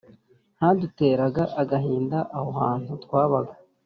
haduteraga agahinda aho hantu twabaga